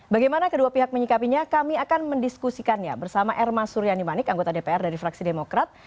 bagaimana kedua pihak menyikapinya kami akan mendiskusikannya bersama erma suryani manik anggota dpr dari fraksi demokrat